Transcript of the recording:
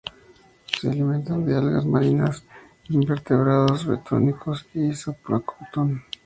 Se alimentan de algas marinas, invertebrados bentónicos, y zooplancton.